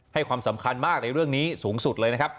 ให้ความสำคัญมากในเรื่องนี้สูงสุดเลยนะครับ